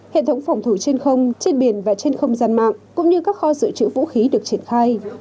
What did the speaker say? hệ thống phòng thủ trên không trên biển và trên không gian mạng cũng như các kho dự trữ vũ khí được triển khai